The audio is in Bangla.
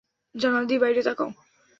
জানালা দিয়ে বাইরে তাকাও।